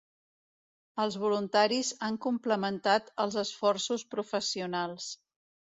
Els voluntaris han complementat els esforços professionals.